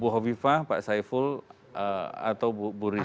bu kofifah pak saipula atau bu risma